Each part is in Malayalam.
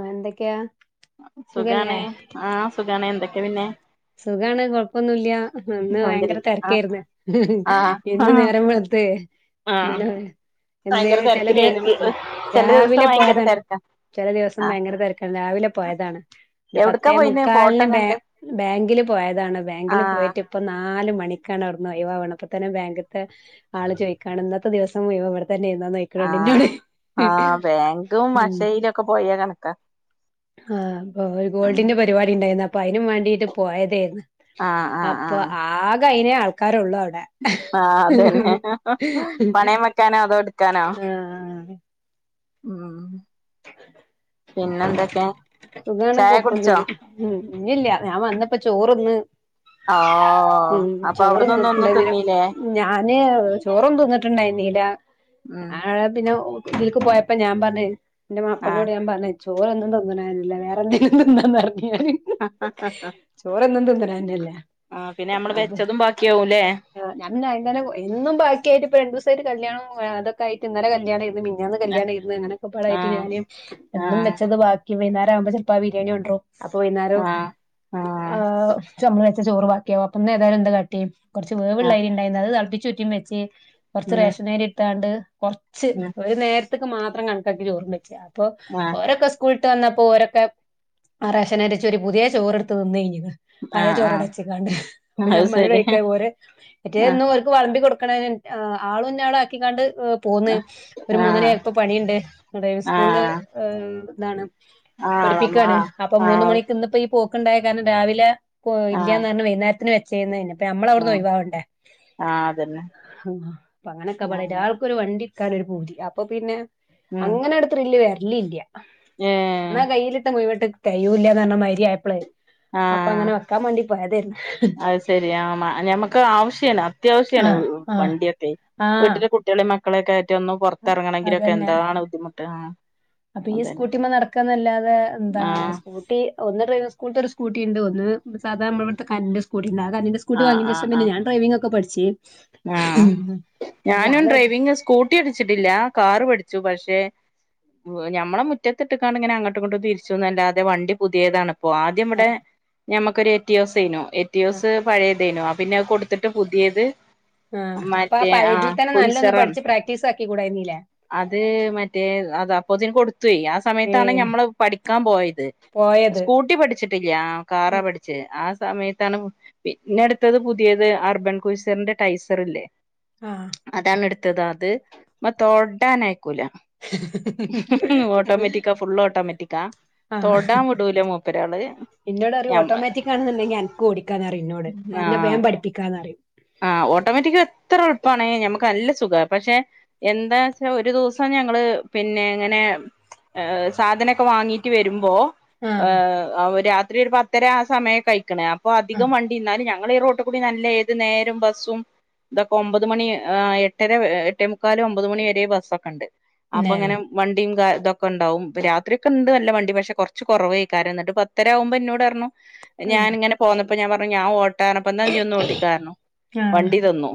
ആ എന്തൊക്കെയാ സുഖല്ലേ സുഖാണ് ആഹ സുഖണ എന്തൊക്കെ പിന്നെ സുഖണ് കോഴ കൊഴപ്പോന്നുംല്ല്യ ഇന്ന് ഭയങ്കര അൽഹംദുലില്ല ആഹ് തിരക്കായിരുന്നു ആഹ് ഇന്ന് ആഹ് നേരം വളത്ത് ആഹ് ഇല്ല എന്ത് ഭയങ്കര ചില ദ തിരക്കിലേനു ചില ദിവസം രാവിലെ ഭയങ്കര പോയതണ് തിരക്കാ ചില ദിവസം ആഹ് ഭയങ്കര തിരക്കാണ് രാവിലെ പോയതാണ് എവിടക്കാ പത്തേ പോയിന് ഫോട്ടോ മുക്കാലിന് ബാ കണ്ട് ബാങ്കില് പോയതാണ് ബാങ്കില് ആഹ് പോയിട്ട് ഇപ്പൊ നാല മണിക്കാണ് അവിടുന്ന് ഒഴിവാവ്ണ്ത് ഇപ്പത്തന്നെ ബാങ്കത്തെ ആള് ചോദിക്കാണ് ഇന്നത്തെ ദിവസ മയുവനും ഇവിടെ തന്നെ ഇന്ന് ആഹ ആഹ ബാങ്കും അക്ഷയിലൊക്കെ പോയാ കണക്കാ ആഹ് അപ്പൊ ഒരു ഉം ഗോൾഡിന്റെ പരിപാടി ഉണ്ടായിരുന്നു അപ്പൊ അയിന് വേണ്ടിട്ട് പോയതായിരുന്നു ആ്ഹ് ആഹ ആഹ അപ്പൊ ആക അയ്നേ ആൾക്കാരള്ളൂ അവിടെ ആഹ അതന്നെ പണയം വെക്കാനോ അതോ ടുക്കാനോ ആഹ് ഉം പിന്നെ എന്തൊക്കെ സുഖാണ് ചായ കുടിച്ചോ കൊഴപ്പൊന്നുല്ല ഉം ഇന്നില്ല ഞാൻ വന്നപ്പോ ചോറു തിന്ന് ആ അപ്പൊ അവിടെന്ന് ഒന്ന് ഒന്നും ചോറ്ന്നിട്ടുണ്ടെങ്കിലും തിന്നീല്ലേ ഞാന് ചോറും തിന്നിട്ടുണ്ടായില്ല ഉം ആ പിന്നെ ഇതിലേക്ക് പോയപ്പോ ഞാൻ പറഞ്ഞ് എന്റെ ആഹ് മാപ്പിളിനോട് ഞാൻ പറഞ്ഞേ ചോറൊന്നും തിന്നുന്നതല്ലേ വേറെ എന്തെങ്കിലും തിന്നാന്ന് പറഞ്ഞു ഞാന് [unintelligible] ചോറൊന്നും തിനന്ന്ണല്ലേ ആ പിന്നെ നമ്മൾ വെച്ചതും ബാക്കിയാവുല്ലേ ആ ഞാ അ ഇന്നെ എന്നും ബാക്കിയിട്ട് ഇപ്പ രണ്ട്സയിട്ട് കല്യാണം അതൊക്കെയിട്ട് ഇന്നലെ കല്യാണം ഇത് മി ഞാന്ന് കല്യാണെയിരുന്നു ഇരുന്നുങ്ങനൊക്കൊപ്പാടയിട്ട് ഞാൻ ആഹ് ഞാനു എന്നും ആഹ് വെച്ചത് ബാക്കി വൈകുന്നേരം ആവുമ്പോൾ ഇപ്പോ ബിരിയാണിണ്ടരും അപ്പൊ വൈന്നേരം ആഹ് ആഹ് ചമ്മ വെച്ച ചോറ്വാക്കിയാവോ അപ്പൊന്ന് ഏതായാലും എന്താ കട്ടി കുറച്ച് വേവുള്ള ആഹ് അരി ഉണ്ടായിരുന്നു അത് തിളപ്പിച്ചുറ്റും വെച്ച് കുറച്ച് റേഷനകരി ഇട്ടാണ്ട് കു ഉം ഉം ഒരു നേരത്തേക്ക് മാത്രം കണക്കാക്കി ചോറ് വെച്ച് അപ്പൊ ആഹ് ഓരോക്കെ സ്കൂൾ വിട്ട് വന്നപ്പോൾ ഓരൊക്കെ റേഷൻ അരി അരച്ച ഒരു പുതിയ ചോറെടുത്ത് തിന്ന കഴിഞ്ഞകണ് പഴയ ആഹ് ചോറടച്ചിക്കാണ്ട് ആഹ് അത് നമ്മൾ ഒരു ശരി കഴിക്ക പോര് മറ്റേതും ആഹ് വിളമ്പി കൊടുക്കുന്ന നേരം ആളുന്ന ആളും ആക്കിക്കാണ്ട് പോന്ന് ആഹ് ഒരു മൂന്നര ആഹ് ആയപ്പോ പണിയുണ്ട് അതേ സ്കൂളിൽ ആഹ് ഹ ഇതാണ് ആഹ് പഠിപ്പിക്കയാണ് അപ്പൊ മൂന്ന ആഹ് മണിക്ക് ഇന്നിപ്പോ പോക്ക് ഉണ്ടായ കാരണം രാവിലെ ആഹ് ഇല്ലെന്ന് പറഞ്ഞ വൈകുന്നേരത്തിന് വെ ചെയ്യുന്നതിന്നെ ഇപ്പ നമ്മൾ അവിടുന്ന് ഒഴിവാവണ്ടേ ആ അതന്നെ ആ അപ്പൊ അങ്ങനൊക്കെള ഒരാൾക്കൊരു വണ്ടി ഒരു പൂതി അപ്പൊ പിന്നെ ഉം അങ്ങനൊരു ത്രില്ല് വരൽ ഇല്ല ഏഹ് എന്നാ കയ്യിലിട്ട മുവിട്ട് തൈയൂല്ലന്ന് പറഞ്ഞാൽ മരിയപ്പളേ അപ്പ ആഹ് അങ്ങനെ വെയ്ക്കാൻ വേണ്ടി പോയതെരുന്ന അത് ശരി ആമ ഞമ്മൾക്ക് ആവശ്യണ് അത്യാവശ്യാണ് ആഹ് ആഹ് വണ്ടിയൊക്കെ ആഹ് വീട്ടിലെ കുട്ടിളെ മക്കളൊക്കെ ആയിട്ട് ഒന്ന് പുറത്തിറങ്ങണങ്കിൽ ഒക്കെ അതന്നെ എന്താണ് ബുദ്ധിമുട്ട് അപ്പൊ ഈ അതന്നെ സ്കൂട്ടിമ്മേ നടക്കന്ന അല്ലാതെ എന്താണ് ആഹ് സ്കു ട്ടി ഒന്ന് ഡ്രൈവിങ്ങ് സ്കൂൾട്ടെ ഒരു സ്കൂട്ടി ഇണ്ട് ഒന്ന് സാധാ നമ്മുടെ ഇവിടുത്തെ കറന്റ് സ്കൂട്ടി ഉണ്ട് ആ കറൻ്റിന്റെ സ്കൂട്ടി ആഹ് ആഹ് വാങ്ങേനെഷം പിന്നെ ആഹ് ഞാൻ ഡ്രൈവിങ് ഒക്കെ പഠിച്ച് ആഹ് ഉം. പക്ഷേ ഞാനും അത് ഡ്രൈവിങ് സ്കൂട്ടി പടിച്ചിട്ടില്ല കാറ് പഠിച്ചു പക്ഷെ ഞമ്മടെ മുറ്റത്ത് ഇട്ടക്കട്ങ്ങനെ അങ്ങോട്ടും ഇങ്ങോട്ട് തിരിച്ചൊന്നും അല്ലാതെ വണ്ടി പുതിയതാന്ന് അപ്പൊ ആദ്യം ആ ഇവിടെ ഞമ്മക്കൊര് എറ്റിയൊസ്നൊ ആ എറ്റിയോസ് പഴയ ദേനോ ആ പിന്നെ അത് കൊടുത്തിട്ട് പുതിയത് ആഹ് അപ്പാ മറ്റേ ആ പഴേതിൽ തന്നെ നല്ലൊന്ന് കുയ്സറാണ് പഠിച്ച് പ്രാക്ടീസ് ആക്കി കൂടായിരുന്നീലേ അത് മറ്റേ അത് അപ്പൊതിന് കൊടുത്തോയ് ആ ഏ സമയത്താണ് ഞമ്മൾ പഠിക്കാ പോയത് പോയത് സ്കൂട്ടി പഠിച്ചി ട്ടില്ല്യ ആ കാറാ ഉം. പഠിച്ചേ ആ സമയത്താണ് പി പിന്നെ അടുത്തത് പുതിയത് അർബൻ കുസറിന്റെ ടൈസറെല്ലേ ആ അതാണ് എടുത്തത് അത് മേ തൊടാനായിക്കൂല ഓട്ടോമെറ്റിക്കാ ഫുൾ ഓട്ടോമെറ്റിക്കാ ആ തൊടാ വിടൂല മൂപ്പരാള് എന്നോട് പറയു ഞമ്മ ഓട്ടോമാറ്റിക്കാണെന്നുണ്ടെങ്കി ആനക്ക് ഓടിക്കാന് അറിയു എന്നോട് എന്നെ ബേം പഠപ്പിക്കാന്ന് പറയും. ആ ഓട്ടോമാറ്റിക്ക് എത്ര എളുപ്പണേ നമുക്ക് നല്ല സുഖാ പക്ഷെ എന്താച്ചാ ഒരു ദിവസം ഞങ്ങൾ പിന്നെ ഇങ്ങനെ സാധനൊക്കെ വാങ്ങീട്ട് വരുമ്പോ ആ ഏഹ് അവരാത്രി ഒരു പത്തര ആ സമയം കഴിക്കണേ അപ്പൊ ആ. അധികം വണ്ടി എന്നാലും ഞ ഞങ്ങൾ ഈ റോട്ട് കൂടി നല്ല ഏത് നേരും ബസ്സും ഇതൊക്കെ ഒമ്പത് മണി ഏഹ് എട്ടര ഏഹ് എട്ടേ മുക്കാൽ ഒമ്പത് മണി വരെ ബസ് ഒക്കെ ഉണ്ട് അപ്പൊ ന്നെ. ഇങ്ങനെ വണ്ടിം കാ ഇതൊക്കെ ഒണ്ടാവും രാത്രി ഒക്കെ ഉണ്ട് നല്ല വണ്ടി പക്ഷെ കുറച്ച് കുറവായ്ക്കാരം എന്നിട്ട് പത്തര ആമ്പോ എന്നോട് പറഞ്ഞു ഞാന് ഇങ്ങനെ പോന്നപ്പോ ഞാൻ പറഞ്ഞു ഞാൻ ഓട്ടാ പറഞ്ഞപ്പോ എന്നാ നീ ഒന്ന്ഓട്ടി കർ ആ വണ്ടി നിന്നു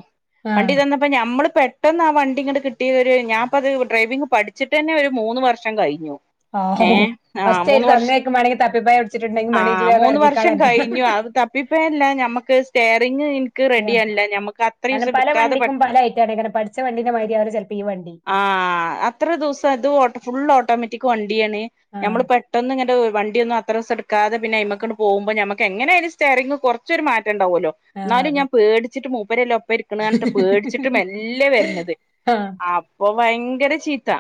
ആ ആ വണ്ടി തന്നപ്പോ ഞമ്മള് പെ പെട്ടന്നാ വണ്ടി ഇങ്ങട് കിട്ടി ഒരു ഞാപ്പ അത് ഡ്രൈവിംഗ് പഠിച്ചിട്ട്ന്നെ ഒരു മൂന്ന് വർഷം കഴിഞ്ഞു ആഹ് ഏഹ് ആഹ് ഫസ്റ്റ് ആയിട്ട് മൂന്ന് വർഷ് തന്നേക്കും മാണെങ്കി തപ്പിപ്പായ പിടിച്ചിട്ടുണ്ടെങ്കി മാണെങ്കി ഇജ്ജ് ആഹ് വേം മൂന്ന് എറങ്ങിക്കാളാ വർഷം കഴിഞ്ഞു അ തിപ്പഎല്ല ഞമുക്ക് സ്റ്റെയറിങ് എനിക്ക് റെഡി ആല്ല ഞമുക്ക് അത്ര ഉസം എടുക്കാതെ പ പലായിട്ടാണ്ങ്ങനെ പഠി ച്ച വണ്ടീന്റെ മാരി ആവും ചിലപ്പോ ഈ വണ്ടി ആഹ് അത്ര ദിസം ഇത് ഓട്ട ഫുൾ ഓട്ടോമാറ്റിക് വണ്ടിയാണെ ആഹ് ഞമ്മള് പെട്ടെന്ന് ഇങ്ങട് വണ്ടി ഒന്നും അത്ര ഉസം എടു ക്കാതെ പിന്നെ ആയിമേക്കാടു പോമ്പോ ഞമ്മക്കെ എങ്ങനെ ആയാലും സ്റ്റൈറിങ് കുറച്ചൊരു മാറ്റണ്ടാവുല്ലോ ആഹ് എന്നാലും അതെ ഞാൻ അതെ പേടിച്ചിട്ട് മൂപ്പരല്ല ഒപ്പം ഇരിക്കണ് അന്ന്ട്ട് പേടിച്ചിട്ട് മെല്ലെ വരണത് ആഹ് അപ്പൊ ഭയങ്കര ചീത്ത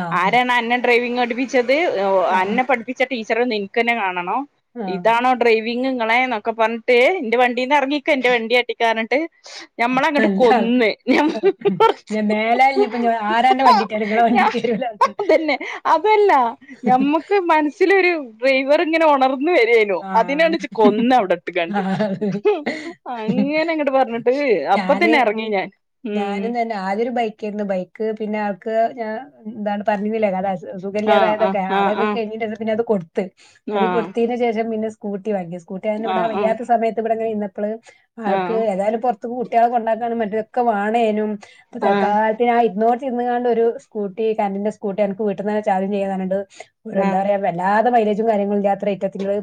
ആഹ് ആരാണ് അന്നെ ഡ്രൈവിങ് പഠപ്പിച്ചത് ആഹ് അന്നെ പഠിപ്പി ച്ച ടീച്ചറൊന്ന് നിനക്കെന്നെ കാണണോ ആഹ് ഇതാണോ ഡ്രൈ വിംഗ് ഇങ്ങളെ ന്നൊക്കെ പറഞ്ഞിട്ട് എന്റെ വണ്ടീന്ന് എറങ്ങിക്കെ എന്റെ വണ്ടി കാട്ടിക്കാ പറഞ്ഞിട്ട് ഞമ്മളെ അങ്ങട് നല്ല ആൾക്കാ കൊന്ന് ഞാ പാട ഞാൻ മേലാൽ ഇഞ്ഞിപ്പോ ഞാൻ ആരാന്റെ വണ്ടിട്ടേലും ഇങ്ങളെ ഞാ വണ്ടിക്കേരൂല അതന്നെ അതല്ല ഞമ്മക്ക് മനസ്സിലൊരു ഡ്രൈവർ ഇങ്ങനെ ഒണർന്ന് വരായ്നു അതിനാണ് ആഹ് ഇജ് കൊന്ന അവിടെ ഇട്ടുകാണ്ട് ആഹ് അങ്ങന അങ്ങട് പറഞ്ഞിട്ട് അപ്പൊ ഞാന് തന്നെ എറങ്ങി ഞാൻ ഉം ഞാനും തന്നെ ആദ്യൊരു ബൈക്കെയിരുന്നു ബൈക്ക് പിന്നെ ആൾക്ക് ഞാൻ ന്താണ് പറഞ്ഞിനില്ലേ കഥ സുഖല്ല്യാതായതൊക്കെ, ആഹ്. അതൊക്കെ കഴിഞ്ഞിട്ട് അത് പിന്നെ അത് കൊടുത്ത്. ആഹ് അത് ആഹ് കൊടുത്തീന്റെ ശേഷം പിന്നെ സ്കൂട്ടി വാങ്ങി. സ്കൂട്ടി വാങ്ങ [unintelligible] ഇവിടെ ആഹ് ആഹ് വയ്യാത്ത സമയത്ത് ഇബടെങ്ങനെ ഇരുന്നപ്പള് ആൾക്ക് ആഹ് ഏതായാലും പൊർ കുട്ട്യാളെ കൊണ്ടാക്കാനും മറ്റേനൊക്കെ വാണേനും. ഇപ്പൊ ആഹ് തൽകാല പിന്നെ ആ ഇരുന്നോട്ത്തിര്ന്ന്കാണ്ട് ഒരു സ്കൂട്ടീ കറന്റിന്റെ സ്കൂട്ടി അൻക്ക് വീട്ട്ന്നെന്നെ ചാർജും ചെയ്യാ പർഞ്ഞാണ്ട് എന്താ ആഹ് പറയാ വല്ലാതെ മൈലേജും കാര്യങ്ങളല്ലാത്ര ഐറ്റത്ത്ള്ള്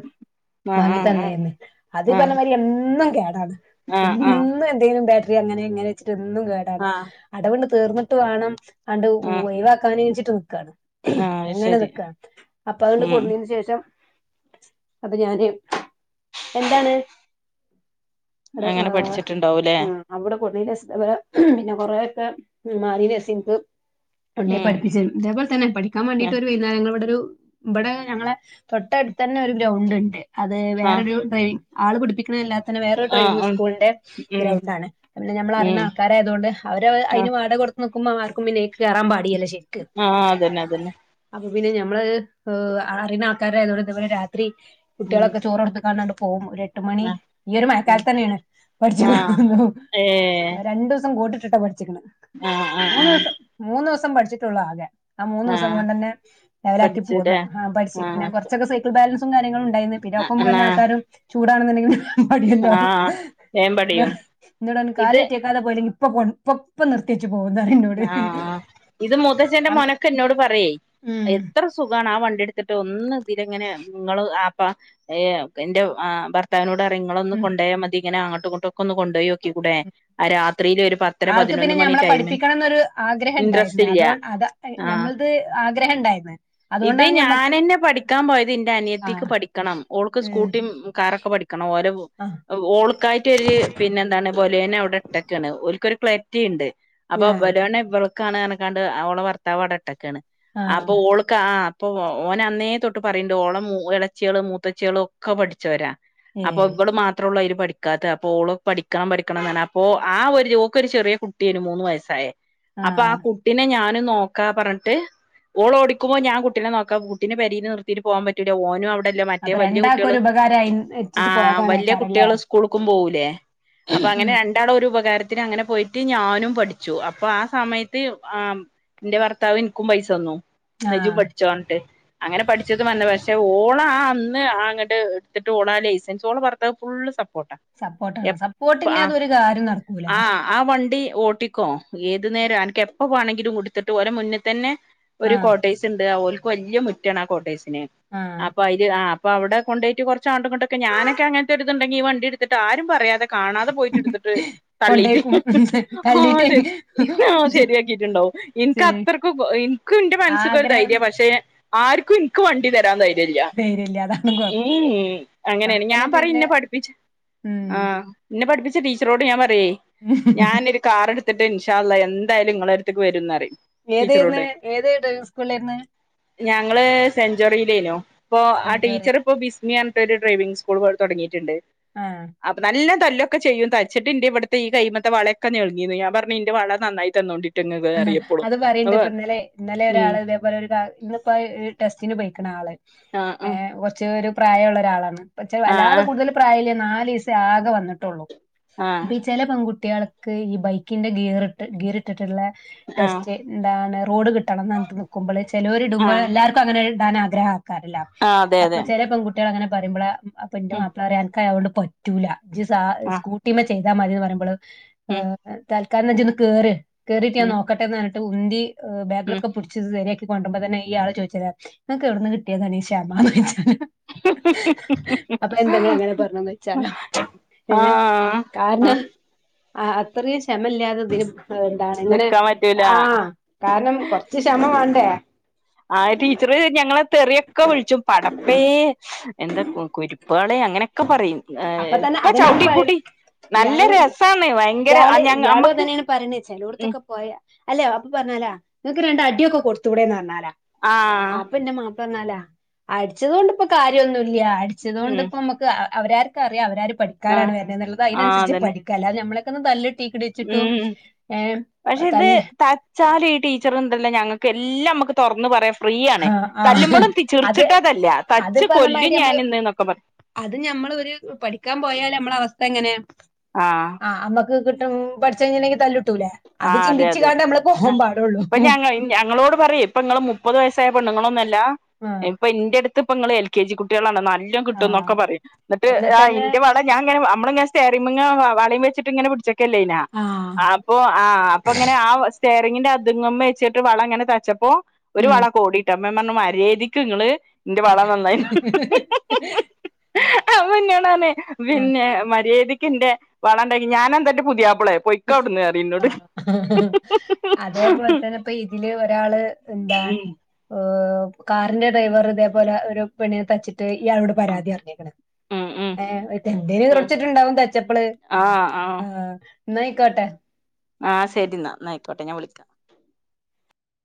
വാങ്ങി ആഹ് ആഹ് തന്നേന്ന്. അതീ ആഹ് പർഞ്ഞ മാതിരി എന്നും കേടാണ്. ആഹ് ആഹ് എന്നും എന്തേലും ബേ തി അങ്ങനേ ഇങ്ങനേച്ച്ട്ട് എന്നും കേടാണ്. ആഹ് അടവ്ണ് തീർന്ന്ട്ട് വാണം ആണ്ട്‌ ആഹ് ഒഴിവാക്കാനേച്ച്ട്ട് നിക്കാണ്. ആഹ് അത് അങ്ങനെ ശരി നിക്കാണ്. അപ്പൊ അത്ങ്ങട് ഉം കൊട്ന്നീന് ശേഷം അത് ഞാന്. എന്താണ്? അട് അങ്ങനെ ആഹ് പഠിച്ചിട്ടുണ്ടാവൂലേ ആഹ് അവ്ടെ [unintelligible] പിന്നെ കൊറേക്കെ മാറിനേഷം ഇൻക്ക് പണ്ടേ ഉം പഠ്പ്പിച്ച്. [unintelligible] ത്തെന്നെ. പഠിക്കാൻ മാണ്ടീട്ട് ഒരു വൈകുന്നേരങ്ങള് ഇവ ടൊരു ഇബടെ ഞങ്ങളെ തൊട്ടട്ത്തെന്നെ ഒരു ഗ്രൗണ്ട്ണ്ട്. അതേ ആഹ് വേറൊരു ഡ്രൈവിംഗ് ആള് പുട്പ്പിക്കണല്ലാ [unintelligible] ന് വേറൊരു ആഹ് ഡ്രൈവിംഗ് ഉം സ്കൂളിന്റെ ഉം ഗ്രൗണ്ടാണ്. ഞമ്മള റിണ ഉം ആൾക്കാരായതോണ്ട്, അവര് അയ്ന് ആഹ് വാടകൊടുത്ത് നിക്കുമ്പൊ ആർക്കും പിന്നെ കേറാം പാടിയല്ല ശെരിക്ക്. ആഹ് അതന്നെ അതന്നെ അപ്പൊ പിന്നെ ഞമ്മള് ഏഹ് അറിണ ആൾക്കാരായതോണ്ട് ഇതേപോലെ രാത്രി ഉം കുട്ട്യാളൊക്കെ ചോറൊട്ത്ത് കാണ്ടാണ്ട് പോകും. ഒരു എട്ട് മണി ആഹ് ഈ ഒരു മഴക്കാലത്തെന്നേണ്. പഠ്ച്ചൂ ആഹ് [unintelligible] ഏഹ് രണ്ടൂസം കോട്ട്ട്ട് ട്ടാ പഠ്ച്ച്ക്ക്ണ്. ആഹ് ആഹ് ആഹ് മൂന്നൂസം മൂന്നൂസം പഠ്ച്ച്ട്ടൊള്ളാകെ. ആ മൂന്നുസം ആഹ് കൊണ്ടെന്നെ ലെവലാക്കി പോന്ന്, പഠിച്ചുല്ലേ ആഹ് പഠ്ച്ച്. പിന്നെ ആഹ് കൊർച്ചൊക്കെ സൈക്കിൾ ബാലൻസും കാര്യങ്ങളും ണ്ടായ്ന്ന്. പിന്നെ ഒപ്പം പോര്നെ ആൾക്കാരും ചൂടാണെന്നുണ്ടെങ്കി മടിയല്ലോ. ആഹ് വേം ഇന്നോ പഠിയും ഇന്നോടർഞ്ഞ് ഇത് കാല് കേറ്റ്യെക്കാതെ പോര്, ഇപ്പൊ പോണ് ഇപ്പൊ ഇപ്പം നിർത്ത്യെച്ചു പോവുന്നറീണ്ട്. ആഹ്. ഇത് മൂത്തച്ചൻ്റെ മോനൊക്ക ഇന്നോട് പറയേയ് ഉം, എത്ര സുഖാണ് ആ വണ്ട്യെട്ത്ത്ട്ട് ഒന്ന്തിലെങ്ങനെ ഇങ്ങള് ആപ്പ ഏ എന്റെ ആ ഭർ ത്താവ്നോടറിം ഇങ്ങളൊന്ന് ഉം, കൊണ്ടോയാ മതി. ഇങ്ങനെ അങ്ങട്ടു ഇങ്ങട്ടൊക്കൊന്ന് കൊണ്ടോയോക്കിക്കൂടെ. ഉം. ആ രാത്രീല് ഒരു പ- ആൾക്ക് പിന്നെ ഞമ്മളെ പഠിപ്പിക്കണംന്നൊര് ഇൻട്രസ്റ്റ് ആഗ്രഹണ്ടായിര്ന്ന്. ഇല്ല അതോ അത് ആഹ് ഞമ്മൾത് ആഗ്രഹണ്ടായ്ര്ന്ന്. ഇത് ഞാനെന്നെ പഠിക്കാൻ പോയത്. ഇന്റെ ആ അനിയത്തിക്ക് പഠിക്കണം. ഓൾക്ക് ഉം, സ്കൂട്ടിം കാറൊക്കെ പഠി ക്കണം. ഓലെ ആ ഓൾക്കായിട്ടൊര് പിന്നെന്താണ്, ബൊലേനൊ അവ്ടെട്ടക്കാണ്. ഓൽക്കൊര് പ്ലെ റ്റീണ്ട്. അപ്പൊ ബൊലോണെ ഇവൾക്കാണ് പർക്കഞ്ഞ്ക്കാണ്ട് ഓളെ ഭർത്താവൗടെട്ടക്കാണ്. ആ അപ്പൊ ഓള് ക്ക ആഹ്, അപ്പൊ ഓനന്നേ തൊട്ട് പറയ്ണ്ട് ഓളെ മു ഏളച്ച്യള്, മൂത്തച്ച്യാള് ഒക്കെ പഠിച്ചോരാ. ഏ അപ്പൊ ബള് മാത്രൊള്ളു അയ്ല് പഠി ക്കാത്തെ. അപ്പൊ ഓള് പഠിക്കണം പഠിക്കണം പർഞ്ഞ്, അപ്പൊ ആ ഒര് ഓക്കൊര് ചെറ്യേ കുട്ട്യേന് മൂന്ന് വയസ്സായെ. അപ്പാ ആ കുട്ടിനെ ഞാനും നോക്കാ പർഞ്ഞ്ട്ട് ഓളോടി ക്കുമോ ഞാൻ കുട്ടിനെ നോക്കാ. കുട്ടിനെ പെരീല് നിർത്തീട്ട് പോവാൻ പറ്റ് ട്ടിടെ ഓനും ഔടെല്ല, മറ്റേ അപ്പൊ വല്യ രണ്ടാൾക്കും കുട്ട്യള് ഒരു ഉപകാരമായി എത്തിച്ച് ആഹ് വല്യ പോയതാണേക്കാരല്ലേ കുട്ട്യള് സ്കൂൾക്കും പോകൂലേ അപ്പങ്ങനെ രൺ ണ്ടാളു ഒരു ഉപകാരത്തിന് അങ്ങനെ പോയിട്ട് ഞാനും പഠിച്ചു. അപ്പൊ ആ സമയത്ത് ആഹ് ഇന്റെ ഭർത്താവ് ഇൻക്കും പൈസന്നു, ആ ന്ന ജും പഠ്ച്ചോ പർഞ്ഞ്ട്ട്. അങ്ങനെ പഠിച്ചതും മർന്നു. പക്ഷെ ഓളാ അന്ന് ആങ്ങട്ട് ഇട്ത്താട്ട് ഓളാ ലൈസൻസ് ഓള് പർ ർത്താവ് ഫുള്ള് സപ്പോർട്ടാ. സപ്പോർട്ടാണ് എപ്പ ആഹ് സപ്പോർട്ടില്ലാതൊ ഒരു കാര്യം നടക്കൂല. ആഹ് ആ വണ്ടി ഓട്ടിക്കോ ഏതു നേര അൻക്ക് എപ്പോ വാണങ്കിലും ഉ‌ട്ത്തിട്ട് ഓലേ മുന്ന് തന്നെ ആഹ്. കോട്ടേയ്സ്ണ്ട് ഓൽക്ക് വല്ല്യ മുറ്റാണ് ആ കോട്ടേയ്സിന് ആ അപ്പൊ അയ് ആഹ് അപ്പൊ അവടെ കൊണ്ടൊയിറ്റ് കൊർച് അങ്ങട്ടും ഇങ്ങട്ടൊക്കേ ഞാനൊക്കെ അങ്ങൻത്തെ ഒരുരിത്ണ്ടേങ്കി വണ്ടി ഇട്ത്തിട്ട് ആരും പറയാതെ കാണാതെ പോയിറ്റ്ട്ത്ത്ട്ട് തള്ളീറ്റ് കൊണ്ടേക്കും ആഹ് തള്ളിട്ടേ ശരി. ശരിയാക്കീറ്റ്ണ്ടാവും ഇൻക്ക് ശരി അത്രയ്ക്കും പ്പൊ ഇൻക്കും ന്റെ വ ആഗ്രഹം പക്ഷെ ആര്ക്കും ഇൻക്ക് വണ്ടി തരാം ദൈ ല്ല്യാ ധൈര്യമില്ല അതാണ് കുഴപ്പം ഉം അങ്ങനേണ് അങ്ങനെ ഞാം പറയും പിന്നെ ഇന്നെ പഠിപ്പിച്ച് ഉം ആഹ്, ന്നെ പഠിപ്പിച്ച ടീച്ചറോട് ഞാം പറയുയ് ഞാനൊര് കാറടുത്തിട്ട് ഇൻഷാ അല്ലാഹ് എന്തായാലും ഇങ്ങളര്ത്ത്ക്ക് വരുംന്നറിം. ഏതെര്ന്ന് ഏത് ഡ്രൈവിം സ്കൂൾലേര്ന്ന്? ഞങ്ങള് സെഞ്ചോറീലേനൂ ഇപ്പൊ ആ സെഞ്ചുറി ടീച്ചറ് ഇപ്പോ ബിസ് ഇഞ്ഞി അൻത്തെ ഒരു ഡ്രൈവിംഗ് സ്കൂൾ പോലെ തൊടങ്ങീറ്റ്ണ്ട്. ആഹ്. അപ്പൊ നല്ല തല്ലൊക്കെ ചെയ്യും തച്ചിട്ട്ന്റെ ഇവടത്തെ ഈ കൈയ്യ്മ്മത്തെ വളക്കെ ഞേൾങ്ങീന്നു ഞാൻ പർഞ്ഞു ഇന്റെ വള നന്നായി തന്നോണ്ടി. റ്റങ്ങാ അറിയപ്പെളും അത് പറയണ്ട് അതെ. ഇപ്പൊ ഇന്നലെ ഇന്നലെ ഒരാള് ഇതേപോലെ ഒരു ഇന്നിപ്പോ ടെസ്റ്റിന് പോയിക്ക്ണ് ആള് ആഹ് ആഹ് ഏഹ് കൊർച് ഒരു പ്രായള്ള ഒരാളാണ്, പക്ഷെ വല്ലാതെ കൂടുതൽ പ്രായല്ല്യാ നാലീസേ ആകെ വന്ന്ട്ടൊള്ളു. ആഹ്. ചെല പൺകുട്ട്യാൾക്ക് ഈ ബൈക്കിന്റെ ഗീറ്ട്ട് ഗീറ്ട്ട്ട്ട്ള്ള ആഹ് ടെസ്റ്റ് ന്താണ് റോഡ് ക്ട്ടണം ന്നർഞ്ഞ്‌ട്ട് നിക്കുമ്പള് ചെലൊര് ഇടുമ്പോ ആഹ് എല്ലാർ ക്കങ്ങനെ ഇടാൻ ആഗ്രഹാക്കാരല്ലോ ആഹ് അതെ അപ്പൊ അതെ ചെല പെൺകുട്ട്യാള് അങ്ങനെ പറയുംമ്പള് അപ്പൊ ന്റെ ഉം മാപ്പളറിയാ അൻക്ക് ആയൊണ്ട് പറ്റൂല ജ്ജ് സാ ആഹ് സ്കൂട്ടിമ്മ ചെയ്താ മതി പറയുംമ്പള് ഉം താൽക്കാലം ന്നാ ഇജ്ജ്ന്ന് കേറ് കേറീട്ട് ഞാൻ ഉം നോക്കട്ടെ ന്നർഞ്ട്ട് ഉന്തി ഉം ബാക്കിലൊക്കെ പുട് ച്ച് ശരിയാക്കി കൊണ്ടുമ്പോ തന്നെ ഈ ആള് ചോയ്ച്ചതാ ങ്ങക്ക് എവ്ട്ന്ന് കിട്ടിയാതാണീ ക്ഷമാന്ന് ചോയ്ചാ അപ്പൊ എന്തെ ങ്ങള് അങ്ങനെ പർഞൊ ന്നൊയ്ച്ചാലൊ ഏഹ് ആഹ് കാര്ണ ആ ആ അത്രീം ക്ഷമല്ല്യാതെ തിന് എന്താണ് ഇങ്ങനെ നിക്കാൻ പറ്റൂല ആഹ് കാര്ണം കൊർച്ച് ക്ഷമ വാണ്ടേ. ആ ടീച്ചറ് ഞങ്ങളെ തെറിയൊക്കെ വ്ൾച്ചും പടപ്പേ എന്താ കു കുര്പ്പാളെ അങ്ങനെക്കെ പറയും അപ്പൊ തന്നെ ഇപ്പൊ അതന്നെയാണ് പറയ ചൗട്ടിക്കൂട്ടി ഇയാള് ഇയാള് ഇയാളും അമ്മക്ക് അതന്നെണ് പറയുന്നത് ഉം ചെലോട്ത്തൊക്കെ പോയാ അല്ലെ അപ്പൊ പർഞ്ഞാലാ ങ്ങക്ക് രണ്ട് അടിക്കേ കൊട്ത്തൂടെ ന്നർഞ്ഞാലാ ആഹ് അപ്പൊ ന്റെ മാ ന്നാലാ അട്ച്ചതൊണ്ട് ഇപ്പൊ കാര്യന്നുല്ല്യാ അട്ച്ചതൊണ്ട് ഉം ന്നമ്മക്ക് അവരാര്ക്കറിയാ അവരാര് പഠിക്കാനാണ് ആഹ് വര്ണ്ന്ന്ള്ളത് ആഹ് അയ്നൻസര്ച്ച് അതന്നെ പഠിക്കാ അല്ലാതെ ഞമ്മളൊക്കന്ന് തല്ല് ട്ടീക്ക്‌ണീച്ച്ട്ടും ഉം ഏഹ് തല്ല് ച്ചാല് ഈ ടീച്ചറ്ണ്ടല്ലോ ഞങ്ങക്ക് എല്ലാമ്മക്ക് തൊർന്ന് പറയാ ഫ്രീയാണ് ആഹ് ആഹ് തല്ലുമ്പളും അത് ച്ച്ർച്ച്ട്ടാ തല്ല്ആ അത് തച്ച് കൊല്ലും പറഞ്ഞമാതിരി നമ്മള് ഞാന് ന്ന് ന്നൊക്കെ പറ അത് ഞമ്മളൊര് പഠിക്കാം പൊയാല് അമ്മള അവസ്ഥ എങ്ങനെയാ ആഹ് അമ്മക്ക് ക്ട്ടും പട്ച്ചയ്ഞീലങ്കി തല്ല്ട്ടൂലേ അത് ആഹ് അതെ അതെ ചിന്തിച്ച്ങ്ങാണ്ട് ഞമ്മള് ആ പോവാം പാടുള്ളൂ. ഇപ്പൊ ഞങ്ങ ഞങ്ങളോട് പറയും ഇപ്പൊ ങ്ങള് മുപ്പത് വയസ്സായ പെണ്ണ്ങ്ങളൊന്നുല്ലാ ആ ഇപ്പൊ ഇന്റെട് ത്പ്പങ്ങള് എൽ കെ ജി കുട്ട്യാളാണ് ന്നല്ലം ആ ക്ട്ടും ന്നൊക്കെ പറയും ന്ന്ട്ട് ആ എന്നിട്ടന്നെ ഇന്റ വള ഞാൻങ്ങനേ അമ്മള്ങ്ങനെ സ്റ്റെയറിംഗ് മ്മങ്ങനെ വ വളേം വെച്ച്ട്ട് ഇങ്ങനെ പിട്ച്ച്ക്കല്ലേയ്നാ ആ ആ അപ്പ ഇങ്ങനെ ആ സ്റ്റെയറിങ്ങിന്റെ അത്ങ്ങ്മ്മെ വെച്ച്ട്ട് വള ഇങ്ങനെ തച്ചപ്പോ ഒരു ഉം വള കോടിയിട്ടാ അമ്മെമ്മർണു മര്യേദിക്ക് ഇങ്ങള് ഇന്റെ വള നന്നായി അപ്പ ഇന്നോട് പർണേ ആ പിന്നെ മര്യേദിക് പിന്റെ വള ഇണ്ടെങ്ങി ഞാനെന്താ അൻ്റെ പുതിയാപ്പളേ പൊയ്ക്ക അവ്ട്ന്ന് പർഞ്ഞ് ആഹ് അതേപോൽതെന്നെ ഇപ്പ ഇതില് ഒരാള് എന്താണ് ഉം ഹ് കാറിന്റെ ഡ്രൈവറ് ഇതേപോലെ ഒരു പെണ്ണിനെ തച്ചിട്ട് ഇയാളോട് പരാതി പർഞ്ഞ്ക്കണ് ഉം ഉം ഏഹ് എന്തേലും ഉം ഈറപുടിച്ച്ട്ട് ഇണ്ടാവും തച്ചപ്പള് ആ ആ ആഹ് ഇന്നയ്ക്കോട്ടെ ആഹ് ശെരി ഇന്നാ ഇന്ന ഐക്കോട്ടെ ഞാ വിളിക്കാ